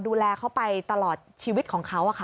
ดูแลเขาไปตลอดชีวิตของเขา